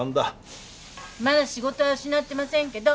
まだ仕事は失ってませんけど。